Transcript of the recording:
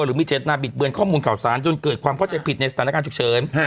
หรือมีเจตนาบิดเบือนข้อมูลข่าวสารจนเกิดความเข้าใจผิดในสถานการณ์ฉุกเฉิน